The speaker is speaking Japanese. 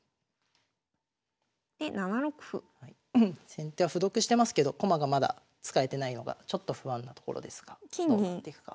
先手は歩得してますけど駒がまだ使えてないのがちょっと不安なところですがどうなっていくか。